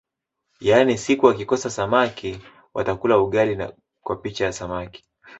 Yaani siku wakikosa samamki watakula ugali kwa picha ya samaki